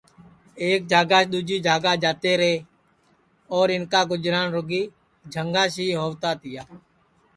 ایک جھاگاس دؔوجی جھاگا جاتے رے اور اِن کا گُجران رُگی جھنگاس ہی ہؤتا تیا